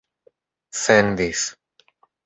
sendis